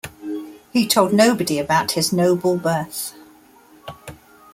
He told nobody about his noble birth.